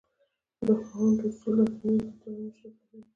د هوند اصول د اټومي اوربیتالونو شکل ښيي.